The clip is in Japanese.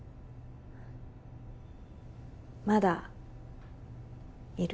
まだいる